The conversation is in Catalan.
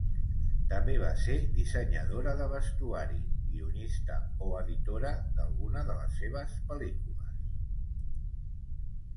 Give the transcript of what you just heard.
També va ser dissenyadora de vestuari, guionista o editora d'alguna de les seves pel·lícules.